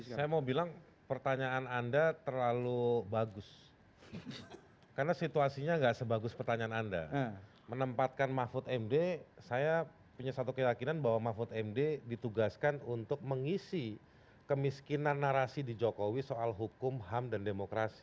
saya mau bilang pertanyaan anda terlalu bagus karena situasinya nggak sebagus pertanyaan anda menempatkan mahfud md saya punya satu keyakinan bahwa mahfud md ditugaskan untuk mengisi kemiskinan narasi di jokowi soal hukum ham dan demokrasi